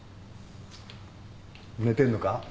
寝てるのか？